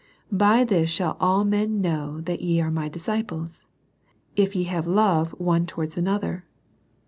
"By this shall all men know that ye are My disciples, if ye have love one towards another.'